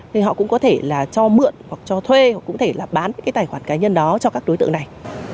thì họ cũng có thể là cho mượn hoặc cho thuê hoặc cũng có thể là bán cái tài khoản cá nhân đó cho các đối tượng này